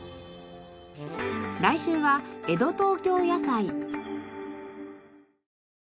来週は江戸東京野菜。